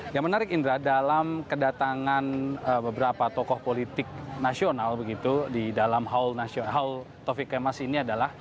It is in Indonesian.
yang menarik indra dalam kedatangan beberapa tokoh politik nasional begitu di dalam haul taufik kemas ini adalah